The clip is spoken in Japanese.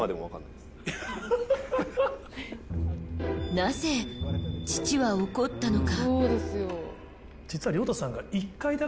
なぜ、父は怒ったのか。